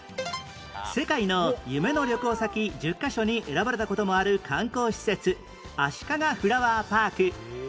世界の夢の旅行先１０カ所に選ばれた事もある観光施設あしかがフラワーパーク